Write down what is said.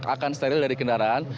akan steril dari kendaraan